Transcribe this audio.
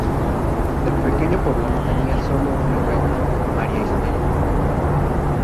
El pequeño poblado tenía sólo una calle: María Isabel.